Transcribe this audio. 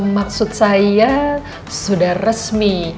maksud saya sudah resmi